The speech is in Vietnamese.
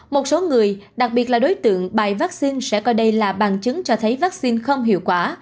một số người đặc biệt là đối tượng bài vaccine sẽ coi đây là bằng chứng cho thấy vaccine không hiệu quả